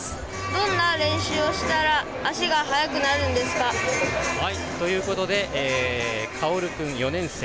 どんな練習をしたら足が速くなるんですか？ということでかおる君、４年生。